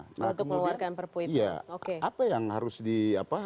untuk mengeluarkan perpuyuh itu